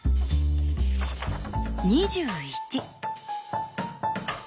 「２１」。